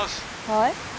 はい？